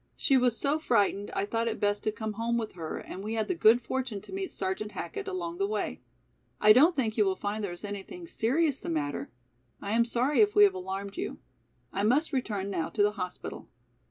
She was so frightened I thought it best to come home with her and we had the good fortune to meet Sergeant Hackett along the way. I don't think you will find there is anything serious the matter; I am sorry if we have alarmed you. I must return now to the hospital."